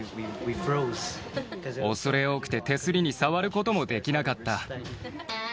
恐れ多くて手すりに触ることもできなかった。